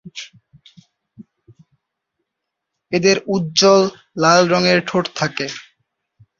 এদের উজ্জ্বল লাল রঙের ঠোঁট থাকে।